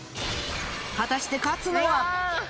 果たして勝つのは？